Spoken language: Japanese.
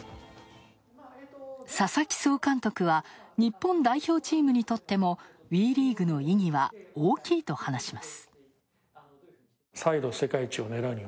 佐々木総監督は、日本代表チームにとってもＷＥリーグの意義は大きいと話します。